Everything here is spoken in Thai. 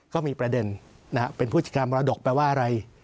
ก็มีประเด็นเป็นผู้จัดการมรดกแปลว่าอะไร